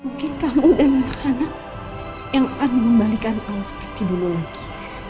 mungkin kamu dan anak anak yang akan mengembalikan allah seperti dulu lagi